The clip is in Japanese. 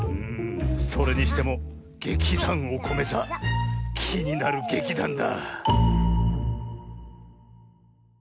それにしても劇団おこめ座きになる劇団だ。